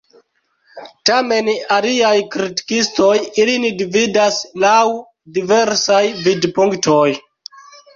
Tamen aliaj kritikistoj ilin dividas laŭ diversaj vidpunktoj.